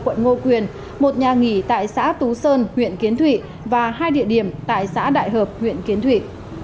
quận ngô quyền một nhà nghỉ tại xã tú sơn huyện kiến thụy và hai địa điểm tại xã đại hợp huyện kiến thụy